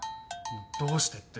どうしてって。